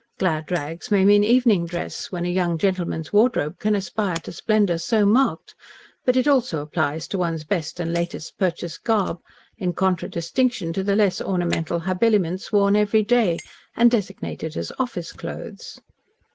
"Glad rags" may mean evening dress, when a young gentleman's wardrobe can aspire to splendour so marked, but it also applies to one's best and latest purchased garb, in contradistinction to the less ornamental habiliments worn every day, and designated as "office clothes."